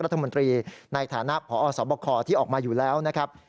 รัฐมนตรีในฐานะพอสบคที่ออกมาอยู่แล้วนะครับ